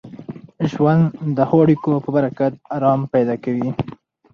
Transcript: ژوند د ښو اړیکو په برکت ارام پیدا کوي.